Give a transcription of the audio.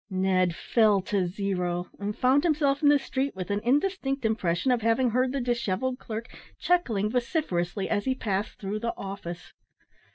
Ned fell to zero, and found himself in the street, with an indistinct impression of having heard the dishevelled clerk chuckling vociferously as he passed through the office.